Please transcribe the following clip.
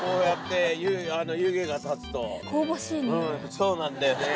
そうなんだよね。